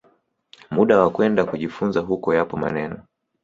muda wa kwenda kujifunza huko Yapo maneno